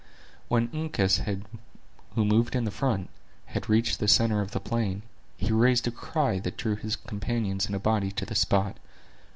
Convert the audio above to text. When Uncas, who moved in front, had reached the center of the plain, he raised a cry that drew his companions in a body to the spot.